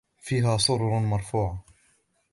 فيها سرر مرفوعة